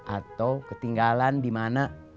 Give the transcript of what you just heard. atau ketinggalan di mana